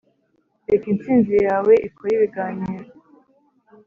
reka intsinzi yawe ikore ibiganiro.